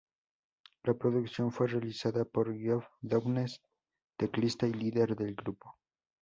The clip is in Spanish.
La producción fue realizada por Geoff Downes, teclista y líder del grupo.